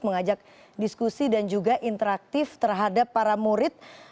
mengajak diskusi dan juga interaktif terhadap para murid